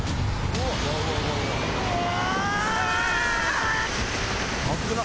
うわ！